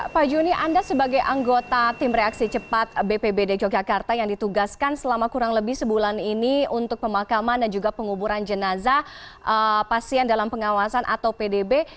pak juni anda sebagai anggota tim reaksi cepat bpbd yogyakarta yang ditugaskan selama kurang lebih sebulan ini untuk pemakaman dan juga penguburan jenazah pasien dalam pengawasan atau pdb